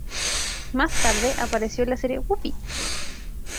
Más tarde apareció en la serie "Whoopi".